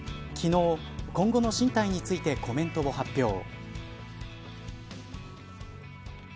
昨日、今後の進退についてコメントを発表。